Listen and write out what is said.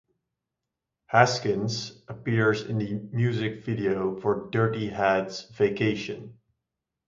Haskins appears in the music video for Dirty Head's "Vacation".